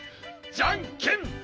じゃんけんぽん！